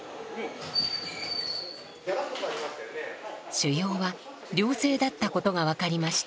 腫ようは良性だったことが分かりました。